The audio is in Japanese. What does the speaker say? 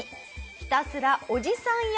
ひたすらおじさん役？